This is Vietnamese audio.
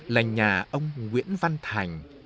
là nhà ông nguyễn văn thành